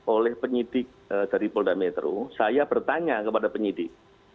oleh penyidik dari polda metro saya bertanya kepada penyidik